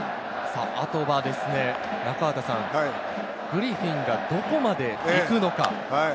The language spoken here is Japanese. あとはグリフィンがどこまで行くのか。